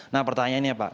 nah pertanyaannya pak